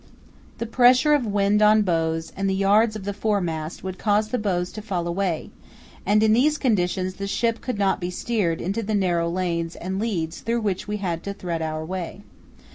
The pressure of wind on bows and the yards of the foremast would cause the bows to fall away, and in these conditions the ship could not be steered into the narrow lanes and leads through which we had to thread our way.